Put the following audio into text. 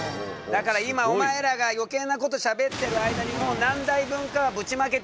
だから今お前らがよけいなことしゃべってる間にもう何台分かはぶちまけてるんだぞ。